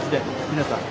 皆さん。